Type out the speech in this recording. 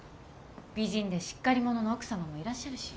美人でしっかり者の奥さまもいらっしゃるし。